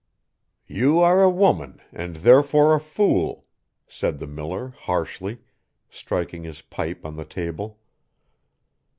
"You are a woman, and therefore a fool," said the miller, harshly, striking his pipe on the table.